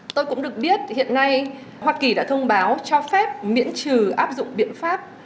tôi cũng được biết hiện nay hoa kỳ đã thông báo cho phép miễn trừ áp dụng biện pháp